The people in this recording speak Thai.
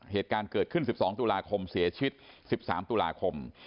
เหตุการณ์เกิดขึ้น๑๒ตุลาคมเสียชีวิต๑๓ตุลาคม